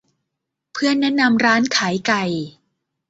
เพื่อนแนะนำร้านขายไก่